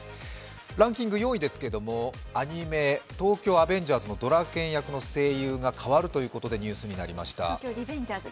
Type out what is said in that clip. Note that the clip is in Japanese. ランキング４位です、アニメ、「東京リベンジャーズ」のドラケン役の声優が代わるということでニュースになりました。